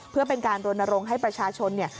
เพื่อเป็นการโดนโรงให้ประชาชน